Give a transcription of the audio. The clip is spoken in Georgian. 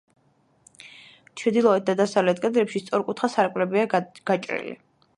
ჩრდილოეთ და დასავლეთ კედლებში სწორკუთხა სარკმლებია გაჭრილი.